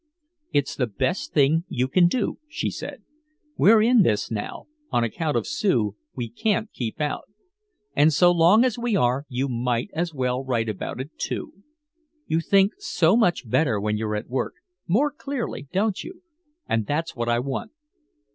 "It's the best thing you can do," she said. "We're in this now on account of Sue we can't keep out. And so long as we are, you might as well write about it, too. You think so much better when you're at work more clearly don't you and that's what I want."